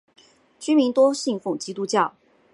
居民多信奉基督教。